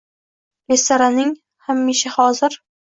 restoranning hamishahozir